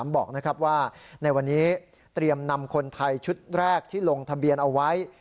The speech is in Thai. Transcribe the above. บอกว่าในวันนี้เตรียมนำคนไทยชุดแรกที่ลงทะเบียนเอาไว้